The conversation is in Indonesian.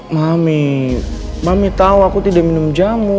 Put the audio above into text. mami mami tahu aku tidak minum jamu